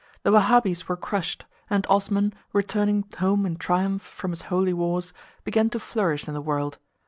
The Wahabees were crushed, and Osman returning home in triumph from his holy wars, began to flourish in the world.